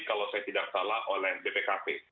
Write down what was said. kalau saya tidak salah oleh bpkp